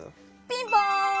ピンポーン！